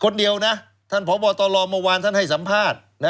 คนเดียวนะท่านพบตรเมื่อวานท่านให้สัมภาษณ์